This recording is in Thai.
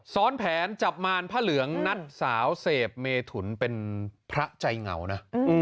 ซ้อนแผนจับมารพระเหลืองนัดสาวเสพเมถุนเป็นพระใจเหงานะ